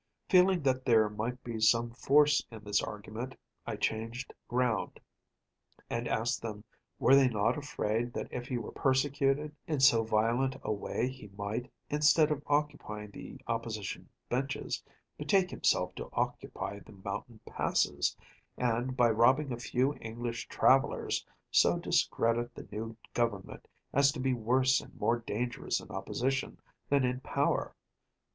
Feeling that there might be some force in this argument, I changed ground, and asked them were they not afraid that if he were persecuted in so violent a way he might, instead of occupying the Opposition benches, betake himself to occupy the mountain passes, and, by robbing a few English travellers, so discredit the new Government as to be worse and more dangerous in opposition than in power.